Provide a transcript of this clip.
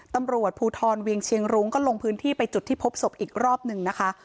ตำรวจภูทรเวียงเชียงรุ้งก็ลงพื้นที่ไปจุดที่พบศพอีกรอบหนึ่งนะคะ